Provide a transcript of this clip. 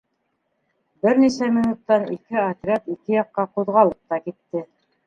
Бер нисә минуттан ике отряд ике яҡҡа ҡуҙғалып та китте.